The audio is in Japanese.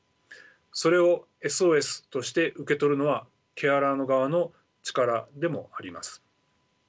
それをＳＯＳとして受け取るのはケアラーの側の力でもあります。